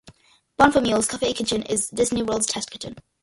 Bonfamille's Cafe's kitchen is Disney World's test kitchen.